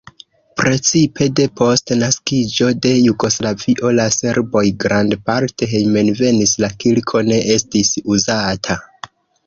Precipe depost naskiĝo de Jugoslavio la serboj grandparte hejmenvenis, la kirko ne estis uzata.